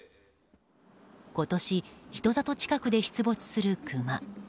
今年、人里近くで出没するクマ。